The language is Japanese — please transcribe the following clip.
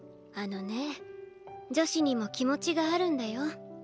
あのね女子にも気持ちがあるんだよ。